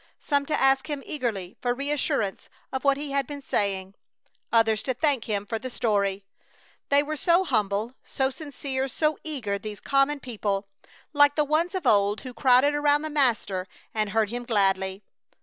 Some to ask him eagerly for reassurance of what he had been saying; others to thank him for the story. They were so humble, so sincere, so eager, these common people, like the ones of old who crowded around the Master and heard him gladly.